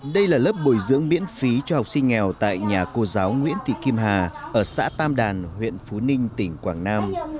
đây là lớp bồi dưỡng miễn phí cho học sinh nghèo tại nhà cô giáo nguyễn thị kim hà ở xã tam đàn huyện phú ninh tỉnh quảng nam